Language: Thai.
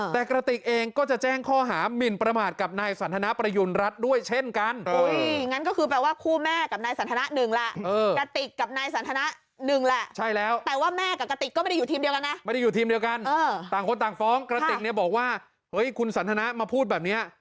แต่กระติกเองก็จะแจ้งข้อหามินประมาทกับนายสันทนาประยุณรัฐด้วยเช่นกัน